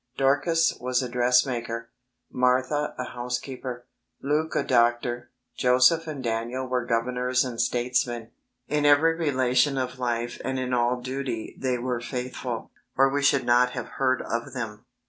Dorcas was a dressmaker ; Martha a housekeeper ; Luke a doctor ; Joseph and Daniel were governors and statesmen; in every relation of life and in all duty they were faithful, or we should not have heard of them.